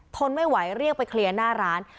ทนไม่ไหวเรียกไปเคลียร์หน้าร้าน